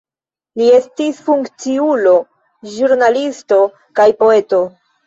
Li estis funkciulo, ĵurnalisto kaj poeto.